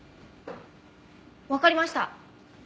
わかりました。